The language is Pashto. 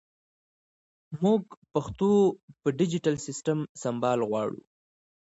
مونږ پښتو په ډیجېټل سیسټم سمبال غواړو